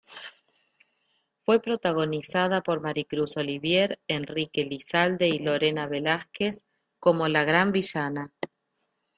Fue protagonizada por Maricruz Olivier, Enrique Lizalde y Lorena Velázquez como la gran villana.